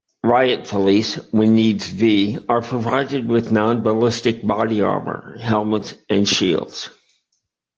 Riot police, when needs be, are provided with non-ballistic body armour, helmets and shields.